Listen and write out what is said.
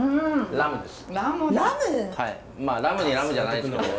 ラムにラムじゃないですけど。